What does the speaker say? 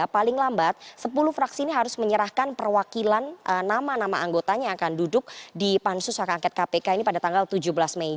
paling lambat sepuluh fraksi ini harus menyerahkan perwakilan nama nama anggotanya yang akan duduk di pansus hak angket kpk ini pada tanggal tujuh belas mei